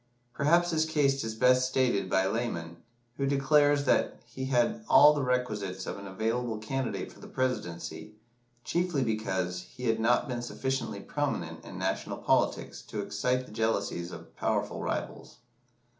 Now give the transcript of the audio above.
Perhaps his case is best stated by Lamon, who declares that he had all the requisites of an available candidate for the Presidency, chiefly because he had not been sufficiently prominent in national politics to excite the jealousies of powerful rivals.